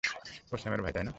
ও স্যামের ভাই, তাই না?